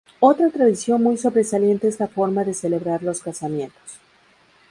Otra tradición muy sobresaliente es la forma de celebrar los casamientos.